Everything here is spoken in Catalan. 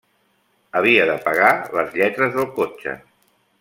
Havia de pagar les lletres del cotxe.